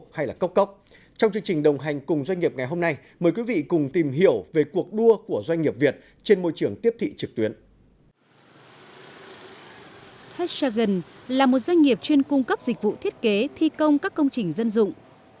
holdstgen là một doanh nghiệp chuyên cung cấp dịch vụ thiết kế thi công các công trình dân dụng